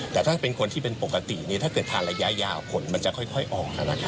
แต่ถ้าเป็นคนที่เป็นปกติถ้าเกิดทานระยะยาวผลมันจะค่อยออก